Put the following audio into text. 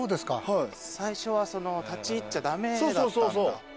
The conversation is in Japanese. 最初は立ち入っちゃ駄目だったんだ。